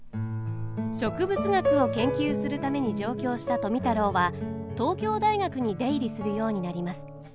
植物学を研究するために上京した富太郎は東京大学に出入りするようになります。